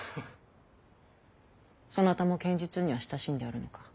そなたも剣術には親しんでおるのか？